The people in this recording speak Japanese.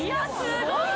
すごい。